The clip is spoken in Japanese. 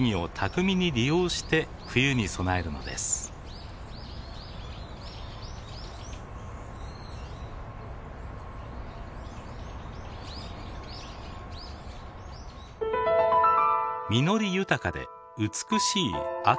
実り豊かで美しい秋。